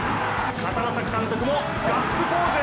片野坂監督もガッツポーズ。